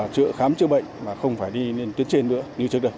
chữa khám chữa bệnh mà không phải đi lên tuyến trên nữa như trước đây